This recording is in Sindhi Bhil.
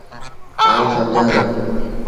آئوٚݩ سمجھآݩ دو۔